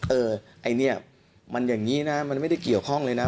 เออไอ้เนี่ยมันอย่างนี้นะมันไม่ได้เกี่ยวข้องเลยนะ